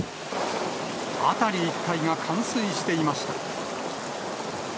辺り一帯が冠水していました。